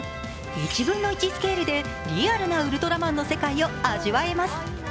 １分の１スケールでリアルなウルトラマンの世界を味わえます。